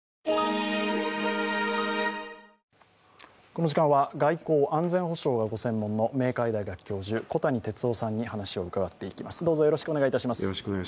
この時間は外交・安全保障がご専門の明海大学教授、小谷哲男さんに話を伺っていきます。